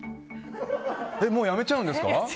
もうやめちゃうんですか？